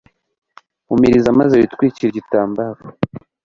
Humiriza, maze witwikire igitambaro